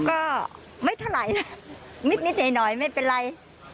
ก็ไม่เท่าไหร่นะนิดหน่อยไม่เป็นไร